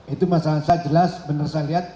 itu masalah saya jelas benar saya lihat